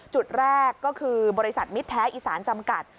จุดแรกก็คือบริษัทมิตรแท้อีสานจำกัด